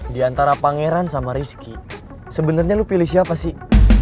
di antara pangeran sama rizky sebenarnya lu pilih siapa sih